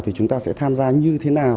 thì chúng ta sẽ tham gia như thế nào